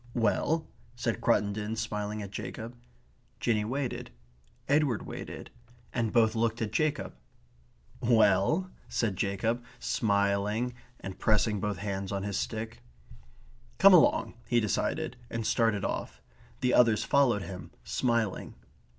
"Well?" said Cruttendon, smiling at Jacob. Jinny waited; Edward waited; and both looked at Jacob. "Well?" said Jacob, smiling and pressing both hands on his stick. "Come along," he decided; and started off. The others followed him, smiling.